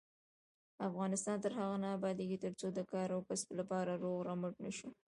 افغانستان تر هغو نه ابادیږي، ترڅو د کار او کسب لپاره روغ رمټ نشو.